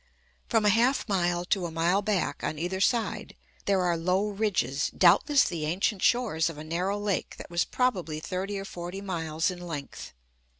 From a half mile to a mile back, on either side, there are low ridges, doubtless the ancient shores of a narrow lake that was probably thirty or forty miles in length.